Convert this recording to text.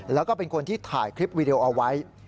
แล้วก็เป็นคนที่ถ่ายคลิปวีดีโอเอาไว้